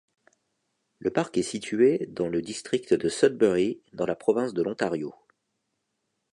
Le parc est située dans le district de Sudbury dans la province de l'Ontario.